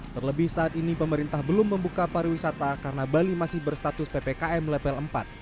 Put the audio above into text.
terlebih saat ini pemerintah belum membuka pariwisata karena bali masih berstatus ppkm level empat